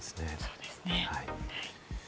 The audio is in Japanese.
そうですね。